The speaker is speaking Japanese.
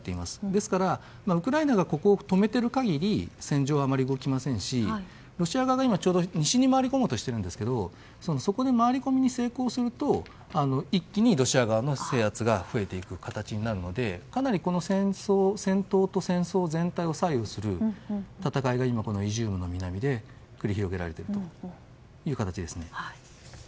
ですから、ウクライナがここを止めている限り戦場はあまり動きませんしロシア側が今ちょうど西に回り込もうとしているんですけどそこで回り込みに成功すると一気にロシア側の制圧が増えていく形になるのでかなり戦争と戦闘全体を左右する戦いがイジュームの南で繰り広げられているという形です。